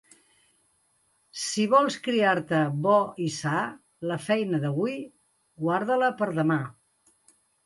Si vols criar-te bo i sa, la feina d'avui, guarda-la per demà.